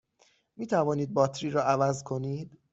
می توانید باتری را عوض کنید؟